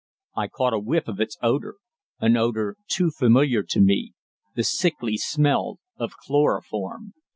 I caught a whiff of its odour an odour too familiar to me the sickly smell of chloroform.